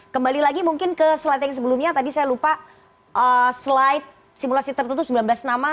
kembali lagi mungkin ke slide yang sebelumnya tadi saya lupa slide simulasi tertutup sembilan belas nama